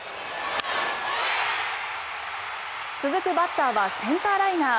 続くバッターはセンターライナー。